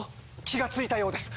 気が付いたようです。